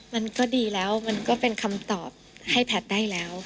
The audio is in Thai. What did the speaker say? มันก็ดีแล้วมันก็เป็นคำตอบให้แพทย์ได้แล้ว